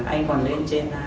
anh còn lên trên